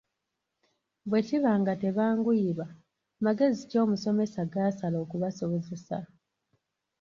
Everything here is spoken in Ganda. Bwe kiba nga tebanguyirwa magezi ki omusomesa gaasala okubasobozesa?